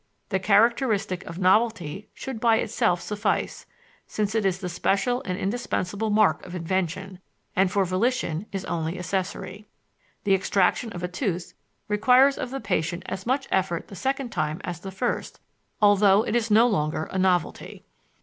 The characteristic of novelty should by itself suffice, since it is the special and indispensable mark of invention, and for volition is only accessory: The extraction of a tooth requires of the patient as much effort the second time as the first, although it is no longer a novelty.